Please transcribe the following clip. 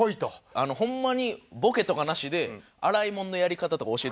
あのホンマにボケとかなしで洗い物のやり方とか教えてもらいました。